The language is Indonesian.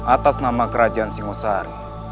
atas nama kerajaan singosari